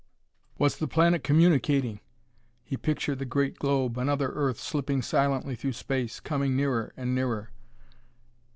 "Was the planet communicating?" he pictured the great globe another Earth slipping silently through space, coming nearer and nearer.